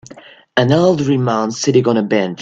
An elderly man sitting on a bench.